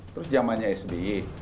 terus jamannya sbi